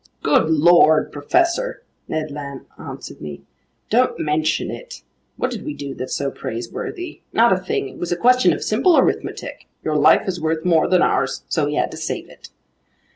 "Good lord, professor," Ned Land answered me, "don't mention it! What did we do that's so praiseworthy? Not a thing. It was a question of simple arithmetic. Your life is worth more than ours. So we had to save it."